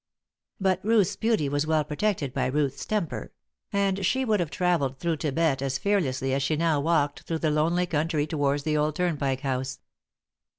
But Ruth's beauty was well protected by Ruth's temper; and she would have travelled through Thibet as fearlessly as she now walked through the lonely country towards the old Turnpike House.